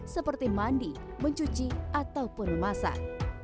seperti mandi mencuci ataupun memasak